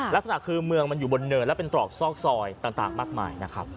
ลักษณะคือเมืองมันอยู่บนเนินและเป็นตรอกซอกซอยต่างมากมายนะครับ